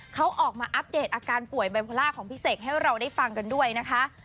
เขาออกมาอัปเดตอาการป่วยไบโพล่าของพี่เสกให้เราได้ฟังกันด้วยนะคะ